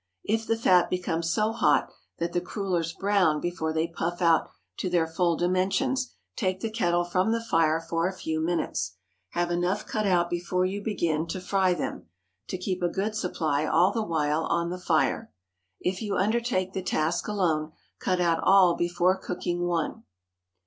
If the fat becomes so hot that the crullers brown before they puff out to their full dimensions, take the kettle from the fire for a few minutes. Have enough cut out before you begin to fry them, to keep a good supply all the while on the fire. If you undertake the task alone, cut out all before cooking one.